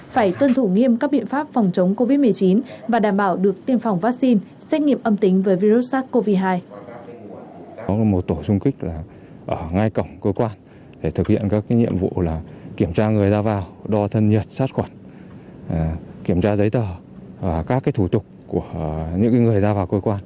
phải tuân thủ nghiêm các biện pháp phòng chống covid một mươi chín và đảm bảo được tiêm phòng vaccine xét nghiệm âm tính với virus sars cov hai